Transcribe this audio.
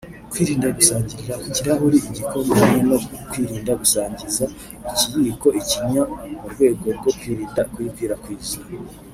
Kwirinda gusangirira ku kirahuri/igikombe hamwe no kwirinda gusangiza ikiyiko/ikanya mu rwego rwo kwirinda kuyikwirakwiza